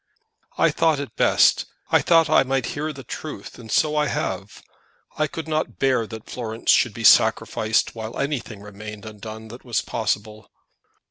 "I thought it best. I thought that I might hear the truth, and so I have. I could not bear that Florence should be sacrificed whilst anything remained undone that was possible."